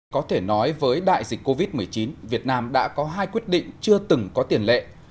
có thể nói với đại dịch covid một mươi chín việt nam đã có hai quyết định chưa từng có tiền lệ